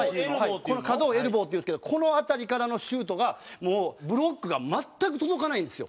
この角をエルボーっていうんですけどこの辺りからのシュートがもうブロックが全く届かないんですよ